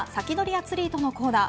アツリートのコーナー